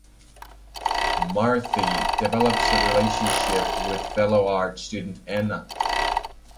Marthe develops a relationship with fellow art student Anna.